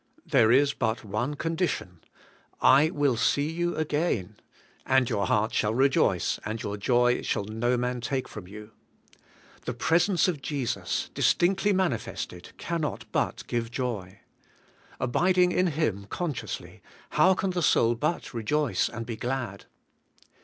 There is but one condition: */ will see you agam, and your heart shall rejoice, and your joy shall no man take from you.' The presence of Jesus, dis tinctly manifested, cannot but give joy. Abiding in Him consciously, how can the soul but rejoice and be glad?